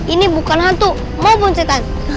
ini bukan hantu maupun cetan